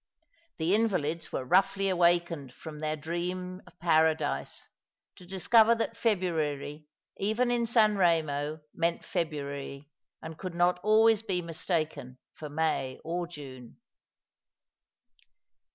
The invalids were roughly awakened from their dream of Paradise, to discover that February even in San Eemo meant February, and could not always be mistaken for May or June.